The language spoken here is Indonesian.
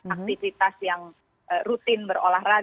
aktivitas yang rutin berolahraga